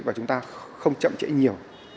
và chúng ta không chậm chẽ nhiều